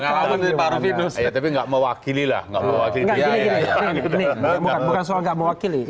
kali pak rufinus ya tapi enggak mewakili lah enggak mau ngerti ini bukan soal enggak mewakili